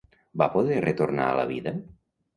Va poder retornar a la vida?